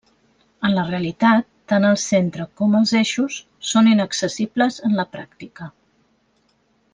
En la realitat, tant el centre com els eixos són inaccessibles en la pràctica.